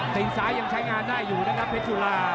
ตีนซ้ายยังใช้งานได้อยู่นะครับเพชรสุรา